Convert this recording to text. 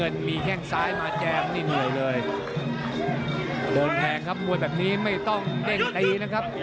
โดนแทงครับมวยแบบนี้ไม่ต้องเด้งใดนะครับ